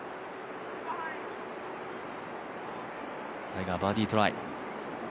タイガー、バーディートライ。